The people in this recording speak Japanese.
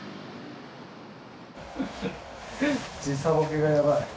時差ボケがやばい。